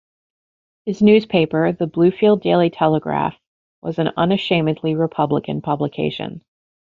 His newspaper, the Bluefield Daily Telegraph, was an unashamedly Republican publication.